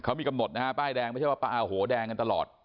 เขามีกำหนดนะฮะป้ายแดงไม่ใช่ว่าป้าโหแดงกันตลอด